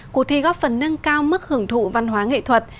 cuộc thi góp phần nâng cao mức hưởng thụ văn hóa nghệ thuật